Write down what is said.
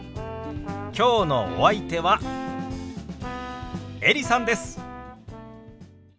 きょうのお相手はエリさんです。